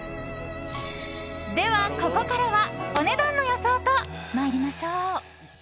では、ここからはお値段の予想と参りましょう。